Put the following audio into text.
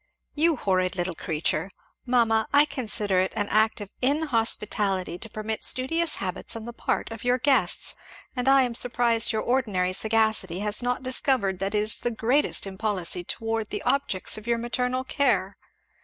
"You horrid little creature! Mamma, I consider it an act of inhospitality to permit studious habits on the part of your guests. And I am surprised your ordinary sagacity has not discovered that it is the greatest impolicy towards the objects of your maternal care.